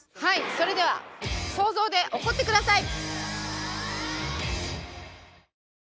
それでは想像で怒ってください！